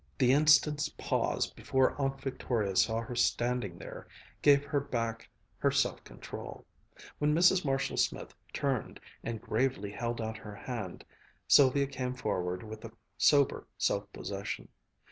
The instant's pause before Aunt Victoria saw her standing there, gave her back her self control. When Mrs. Marshall Smith turned and gravely held out her hand, Sylvia came forward with a sober self possession.